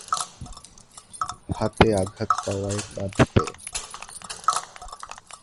হাতে আঘাত পাওয়ায় কাঁদতে?